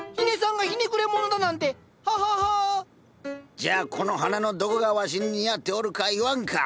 じゃあこの花のどこがわしに似合っておるか言わんか！